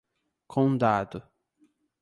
Condado